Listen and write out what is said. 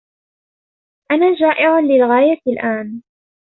أنا جائع للغاية الآن.